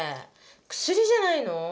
薬じゃないの？